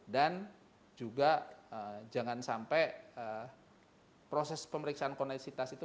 dan juga jangan sampai proses pemeriksaan koneksitas itu